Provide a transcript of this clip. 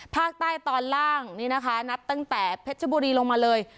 ภาคใต้ตอนล่างนี่นะคะนับตั้งแต่เพชรบุรีลงมาเลย